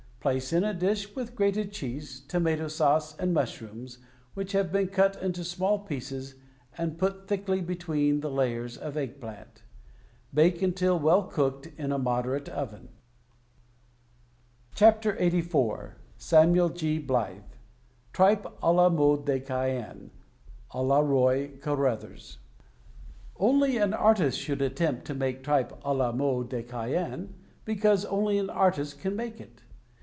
Place in a dish with grated cheese, tomato sauce, and mushrooms, which have been cut into small pieces and put thickly between the layers of egg plant. Bake, until well cooked, in a moderate oven. WRITTEN FOR MEN BY MEN LXXXIV Samuel G. Blythe TRIPE k LA MODE DE CAEN A LA ROY CARRUTHERS Only an artist should attempt to make Tripe a la Mode de Caen because only an artist can make it.